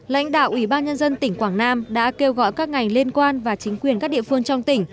lãnh đạo ubnd tỉnh quảng nam đã kêu gọi các ngành liên quan và chính quyền các địa phương trong tỉnh